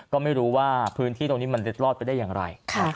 ก็ไม่รู้ว่าพื้นที่ตรงนี้มันเล็ดรอดไปได้อย่างไร